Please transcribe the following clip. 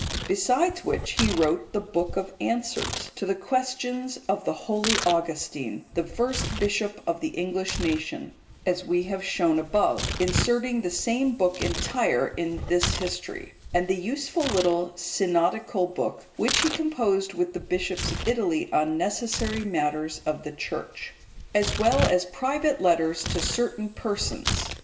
Besides which, he wrote the "Book of Answers,"(152) to the questions of the holy Augustine, the first bishop of the English nation, as we have shown above, inserting the same book entire in this history; and the useful little "Synodical Book,"(153) which he composed with the bishops of Italy on necessary matters of the Church; as well as private letters to certain persons.